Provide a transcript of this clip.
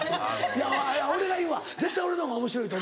俺が言うわ絶対俺の方がおもしろいと思う。